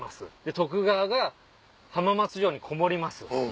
徳川が浜松城にこもります。